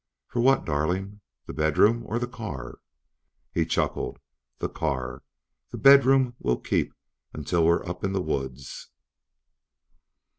"For what, darling? The bedroom, or the car?" He chuckled. "The car. The bedroom will keep until we're up in the woods."